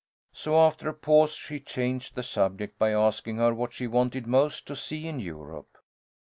So after a pause she changed the subject by asking her what she wanted most to see in Europe.